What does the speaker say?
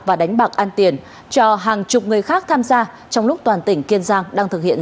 và đánh bạc an tiền cho hàng chục người khác tham gia trong lúc toàn tỉnh kiên giang đang thực hiện